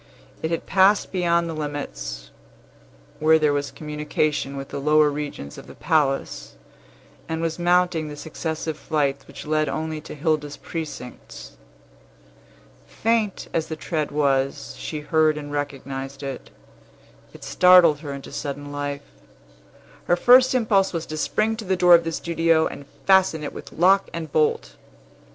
It had passed beyond the limits where there was communication with the lower regions of the palace, and was mounting the successive flights which led only to Hilda's precincts. Faint as the tread was, she heard and recognized it. It startled her into sudden life. Her first impulse was to spring to the door of the studio, and fasten it with lock and bolt.